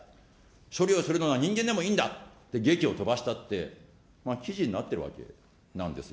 処理をするのは人間だといいんだと、げきを飛ばしたって、記事になってるわけなんですよ。